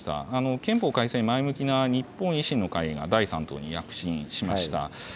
憲法改正に前向きな日本維新の会が第３党に躍進しました。